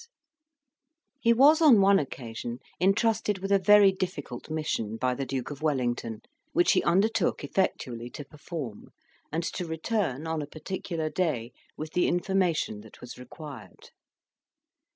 He was on one occasion entrusted with a very difficult mission by the Duke of Wellington, which he undertook effectually to perform, and to return on a particular day with the information that was required.